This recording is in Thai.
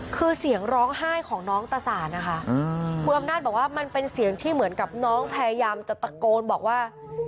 คือเสียงร้องไห้ของน้องตะสานนะคะคุณอำนาจบอกว่ามันเป็นเสียงที่เหมือนกับน้องพยายามจะตะโกนบอกว่า